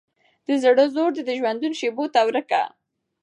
د زړه زور دي د ژوندون شېبو ته وركه